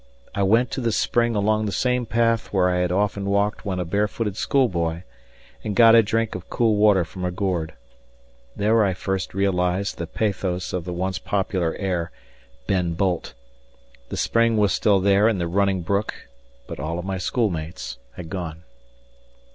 I went to the spring along the same path where I had often walked when a barefooted schoolboy and got a drink of cool water from a gourd. There I first realized the pathos of the once popular air, "Ben Bolt"; the spring was still there and the running brook, but all of my schoolmates had gone.